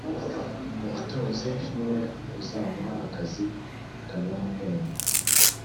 umutunzi ni we uzamuha akazi akanamuhemba,